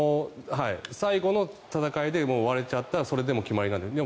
最後の戦いで割れちゃったらそれで決まりなので。